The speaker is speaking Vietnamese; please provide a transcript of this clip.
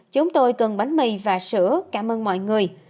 chúng tôi cần bánh mì và sữa cảm ơn mọi người